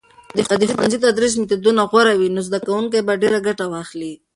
که د ښوونځي تدریس میتودونه غوره وي، نو زده کوونکي به ډیر ګټه واخلي.